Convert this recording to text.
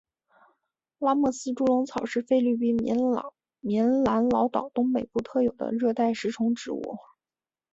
拉莫斯猪笼草是菲律宾棉兰老岛东北部特有的热带食虫植物。